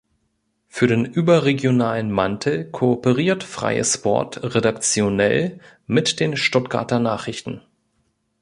Für den überregionalen Mantel kooperiert "Freies Wort" redaktionell mit den "Stuttgarter Nachrichten".